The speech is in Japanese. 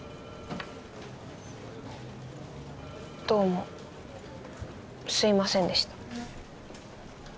どうもすみませんでした。